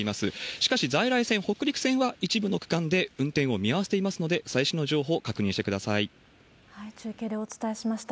しかし、在来線、北陸線は一部の区間で運転を見合わせていますので、最新の情報を中継でお伝えしました。